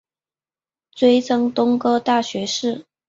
追赠东阁大学士。